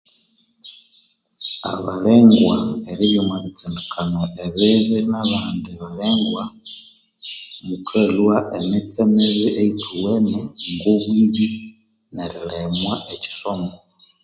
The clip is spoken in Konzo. Abalengwa eribya omwabitsindikano ebibi nabandi balengwa mukalhwa emitse mibi eyithuwene ngobwibi neriremwa ekisomo